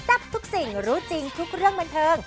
ทับทุกสิ่งรู้จริงทุกเรื่องบันเทิง